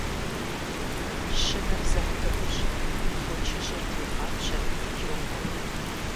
Щынэр зыхь дыгъужьым и фочыжьыр трегъапщэри йоуэ.